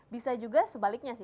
bisa juga sebaliknya sih